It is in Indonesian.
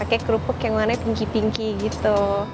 pakai kerupuk yang warnanya pinki pinki gitu